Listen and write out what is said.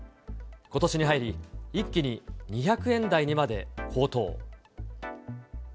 ことしに入り、一気に２００円台にまで高騰。